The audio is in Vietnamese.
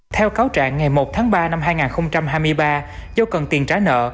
theo cáo trạng ngày một tháng ba năm hai nghìn hai mươi ba do cần tiền trả nợ